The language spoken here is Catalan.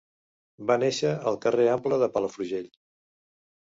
Va néixer al carrer Ample de Palafrugell.